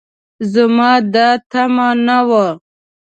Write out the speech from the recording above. زما دا تمعه نه وه